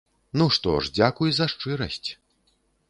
Ну што ж, дзякуй за шчырасць.